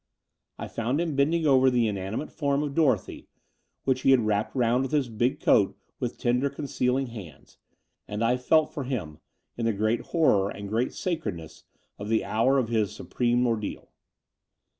I found him bending over the inanimate form of Dorothy, which he had wrapped round with his big coat with tender, concealing hands : and I felt for him in the great horror and great sacredness of the hour of his supreme ordeal.